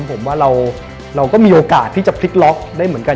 ผมว่าเราก็มีโอกาสที่จะพลิกล็อกได้เหมือนกัน